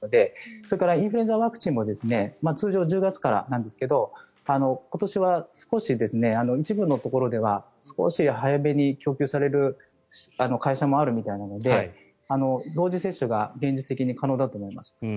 それからインフルエンザワクチンも通常１０月からなんですが今年は少し、一部のところでは少し早めに供給される会社もあるみたいなので同時接種が現実的に可能だと思います。